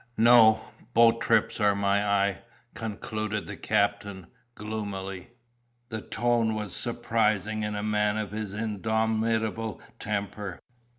No; boat trips are my eye," concluded the captain, gloomily. The tone was surprising in a man of his indomitable temper.